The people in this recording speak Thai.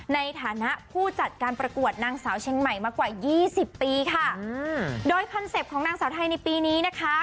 ในฐานะผู้จัดการประกวดนางสาวเชียงใหม่มากว่ายี่สิบปีค่ะอืมโดยคอนเซ็ปต์ของนางสาวไทยในปีนี้นะคะ